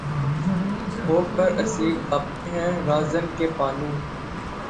ہو کر اسیر‘ دابتے ہیں‘ راہزن کے پانو